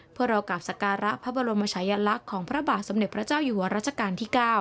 เพื่อรอกราบสการะพระบรมชายลักษณ์ของพระบาทสมเด็จพระเจ้าอยู่หัวรัชกาลที่๙